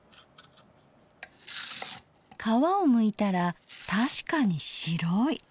皮をむいたら確かに白い。